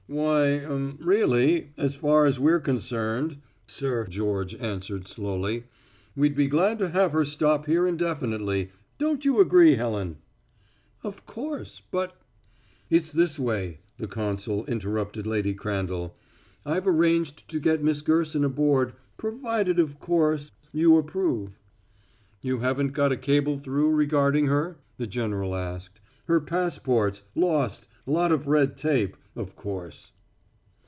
"Why um really, as far as we're concerned," Sir George answered slowly, "we'd be glad to have her stop here indefinitely. Don't you agree, Helen?" "Of course; but " "It's this way," the consul interrupted Lady Crandall. "I've arranged to get Miss Gerson aboard, provided, of course, you approve." "You haven't got a cable through regarding her?" the general asked. "Her passports lost lot of red tape, of course."